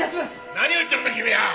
何を言っとるんだ君は。